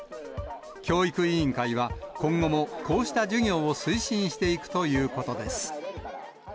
教育委員会は、今後もこうした授業を推進していくということです。